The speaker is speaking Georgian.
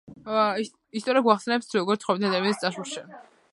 ისტორია გვახსენებს, თუ როგორ ცხოვრობდნენ ადამიანები წარსულში.